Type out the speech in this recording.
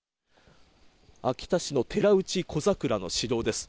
秋田市の寺内児桜の私道です。